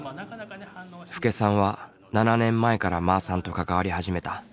福家さんは７年前からまーさんと関わり始めた。